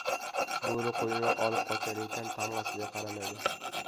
• Bo‘ri qo‘yni olib qochar ekan, tamg‘asiga qaramaydi.